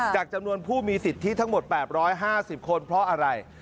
จำนวนผู้มีสิทธิทั้งหมด๘๕๐คนเพราะอะไร